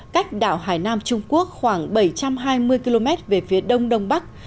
cách đảo hải nam trung quốc khoảng bảy trăm hai mươi km về phía đông đông bắc